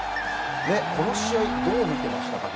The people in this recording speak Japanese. この試合、どう見ていましたか？